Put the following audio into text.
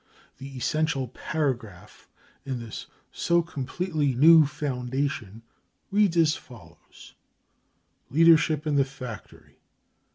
55 The essential paragraph in this so completely new " foundation 55 reads as follows : 44 Leadership in the factory.